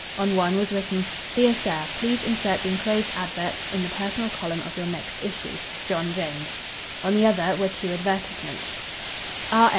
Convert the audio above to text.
On one was written: "Dear Sir, please insert the enclosed advts. in the personal column of your next issue. John Jones." On the other were two advertisements "R.